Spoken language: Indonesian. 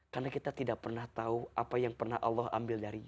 karena kita tidak pernah tahu apa yang allah ambil dari nya